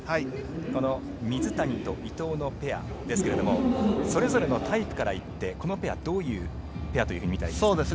この水谷と伊藤のペアですけどそれぞれのタイプから言ってこのペアはどういうペアと見たらいいんですか？